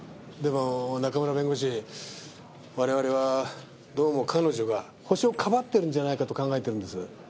でも中村弁護士我々はどうも彼女がホシをかばってるんじゃないかと考えてるんです。